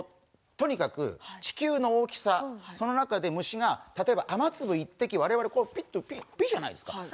とにかく地球の大きさその中で虫が雨粒１滴、われわれピッじゃないですか